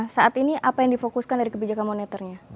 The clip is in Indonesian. saat ini apa yang difokuskan dari kebijakan moneternya